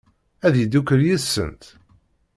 Ad yeddukel yid-sent?